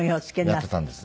やってたんです。